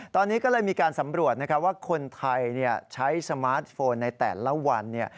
ตอนนี้ก็เลยมีการสำรวจว่าคนไทยใช้สมาร์ทโฟนในแต่ละวัน